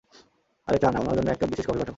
আরে চা না, উনার জন্য এক কাপ বিশেষ কফি পাঠাও।